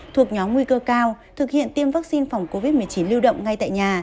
thuộc nhóm nguy cơ cao thực hiện tiêm vaccine phòng covid một mươi chín lưu động ngay tại nhà